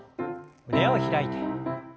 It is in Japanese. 胸を開いて。